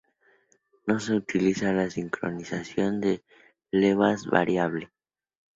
No se utiliza la sincronización de levas variable.